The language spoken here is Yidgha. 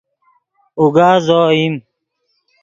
اوگا زو اوئیم